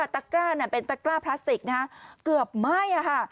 กล้าเป็นตะกร้าพลาสติกนะฮะเกือบไหม้ค่ะ